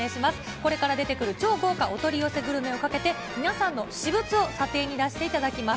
これから出てくる超豪華お取り寄せグルメをかけて、皆さんの私物を査定に出していただきます。